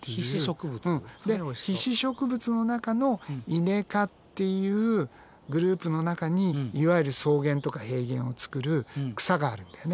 うんで被子植物の中のイネ科っていうグループの中にいわゆる草原とか平原をつくる草があるんだよね。